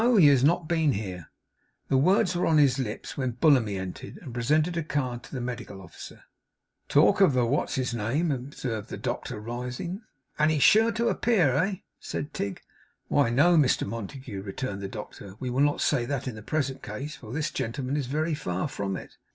He has not been here.' The words were on his lips, when Bullamy entered, and presented a card to the Medical Officer. 'Talk of the what's his name ' observed the doctor rising. 'And he's sure to appear, eh?' said Tigg. 'Why, no, Mr Montague, no,' returned the doctor. 'We will not say that in the present case, for this gentleman is very far from it.